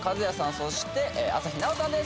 そして朝日奈央さんです